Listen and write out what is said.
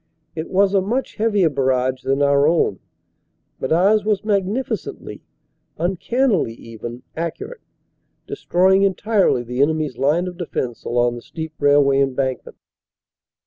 It was a much heavier barrage than our own, but ours was magnificently uncannily even accurate, destroying entirely the enemy s line of defense along the steep railway embankment.